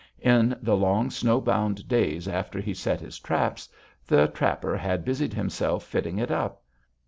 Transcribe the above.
In the long snow bound days after he set his traps, the trapper had busied himself fitting it up.